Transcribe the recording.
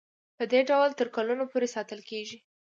پدې ډول تر کلونو پورې ساتل کیږي.